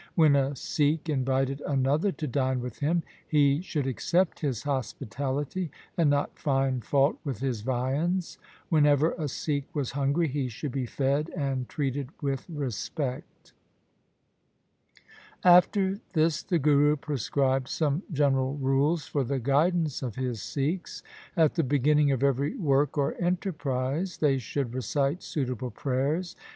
When a Sikh invited another to dine with him, he should accept his hospitality and not find fault with his viands. Whenever a Sikh was hungry, he should be fed and treated with respect. After this the Guru prescribed some general rules THE SIKH RELIGION for the guidance of his Sikhs. At the beginning of every work or enterprise they should recite suitable prayers.